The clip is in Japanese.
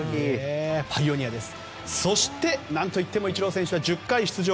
そして、何といってもイチロー選手は１０回出場。